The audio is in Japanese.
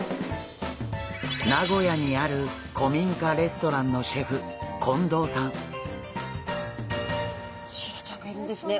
名古屋にある古民家レストランのシェフシイラちゃんがいるんですね。